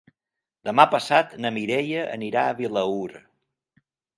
Demà passat na Mireia anirà a Vilaür.